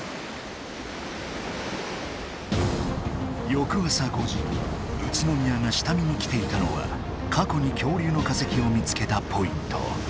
よく朝５時宇都宮が下見に来ていたのはかこに恐竜の化石を見つけたポイント。